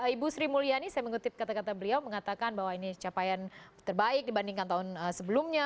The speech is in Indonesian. ibu sri mulyani saya mengutip kata kata beliau mengatakan bahwa ini capaian terbaik dibandingkan tahun sebelumnya